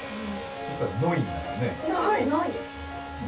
そしたら、のいになるね。